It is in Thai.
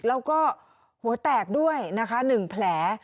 แล้วก็หัวแตกด้วยนะคะ๑แผล